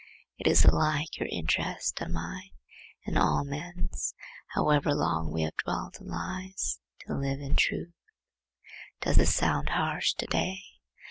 It is alike your interest, and mine, and all men's, however long we have dwelt in lies, to live in truth. Does this sound harsh to day?